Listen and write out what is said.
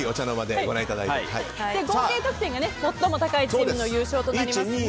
合計得点が最も高いチームが優勝になります。